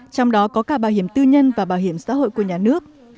trong đó có cả bảo hiểm tư nhân và bảo hiểm xã hội của nhà nước